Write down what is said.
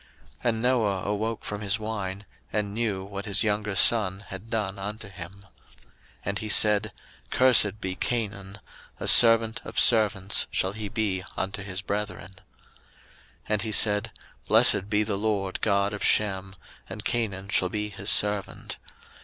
01:009:024 And Noah awoke from his wine, and knew what his younger son had done unto him. 01:009:025 And he said, Cursed be Canaan; a servant of servants shall he be unto his brethren. 01:009:026 And he said, Blessed be the LORD God of Shem; and Canaan shall be his servant.